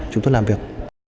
chúng tôi làm việc